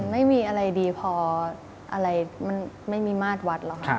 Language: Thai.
ไม่มีอะไรดีพออะไรมันไม่มีมาตรวัดหรอกค่ะ